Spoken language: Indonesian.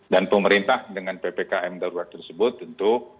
dan pemerintah dengan ppkm darurat tersebut tentu